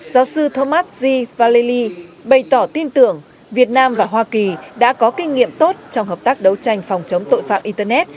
giáo sư thomas g vallely bày tỏ tin tưởng việt nam và hoa kỳ đã có kinh nghiệm tốt trong hợp tác đấu tranh phòng chống tội phạm internet